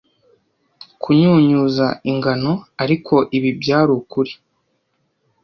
Kunyunyuza ingano; ariko ibi byari ukuri -